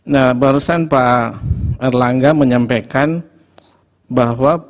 nah barusan pak erlangga menyampaikan bahwa